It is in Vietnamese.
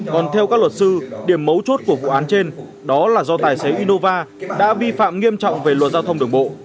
còn theo các luật sư điểm mấu chốt của vụ án trên đó là do tài xế innova đã vi phạm nghiêm trọng về luật giao thông đường bộ